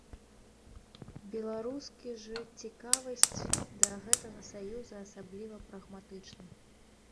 Беларускі ж цікавасць да гэтага саюза асабліва прагматычны.